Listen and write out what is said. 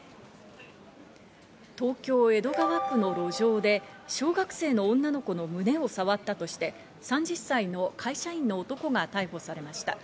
東京・江戸川区の路上で小学生の女の子の胸を触ったとして３０歳の会社員の男が逮捕されました。